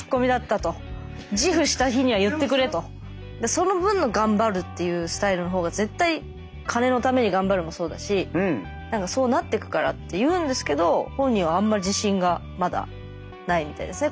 その分の頑張るっていうスタイルの方が絶対金のために頑張るもそうだしそうなってくからって言うんですけど本人はあんまり自信がまだないみたいですね交渉するには。